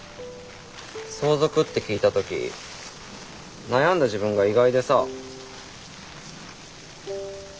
相続って聞いた時悩んだ自分が意外でさ。